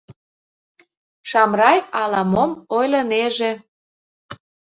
Шамрай ала-мом ойлынеже.